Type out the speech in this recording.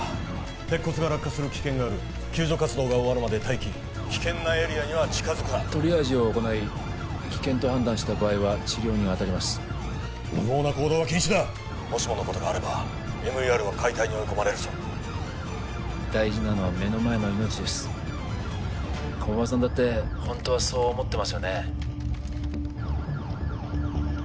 鉄骨が落下する危険がある救助活動が終わるまで待機危険なエリアには近づくなトリアージを行い危険と判断した場合は治療に当たります無謀な行動は禁止だもしものことがあればＭＥＲは解体に追い込まれるぞ大事なのは目の前の命です駒場さんだってホントはそう思ってますよね